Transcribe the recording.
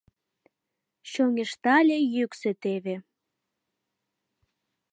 Чоҥештале йӱксӧ теве